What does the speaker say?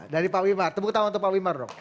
dari pak wimar tepuk tangan untuk pak wimar dok